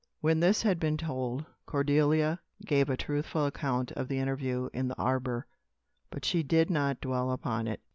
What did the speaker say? When this had been told, Cordelia gave a truthful account of the interview in the arbor; but she did not dwell upon it.